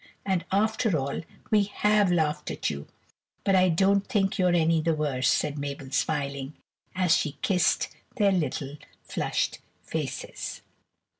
"And after all we have laughed at you, but I don't think you're any the worse," said Mabel smiling, as she kissed their little flushed faces.